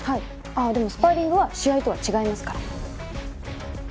あっでもスパーリングは試合とは違いますから。